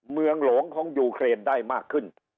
เมืองหลวงของยูเครนได้มากขึ้น